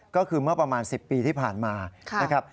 ก็คือเมื่อประมาณ๑๐ปีที่ผ่านมานะครับ